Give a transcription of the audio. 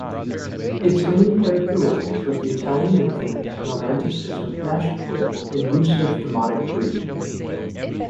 Its main characteristics was the Italian influence, romanticism, nationalism and use of Demotic Greek.